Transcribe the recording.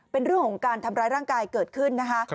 เป็นเรื่องของการทำร้ายร่างกายเกิดขึ้นนะคะ